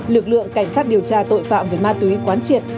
lực lượng cảnh sát điều tra tội phạm về ma túy quán triệt